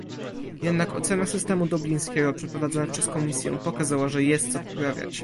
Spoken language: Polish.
Jednak ocena systemu dublińskiego przeprowadzona przez Komisję pokazała, że jest co poprawiać